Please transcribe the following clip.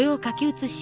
写し